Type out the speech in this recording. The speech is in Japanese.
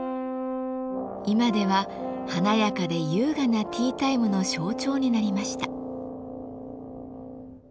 今では華やかで優雅なティータイムの象徴になりました。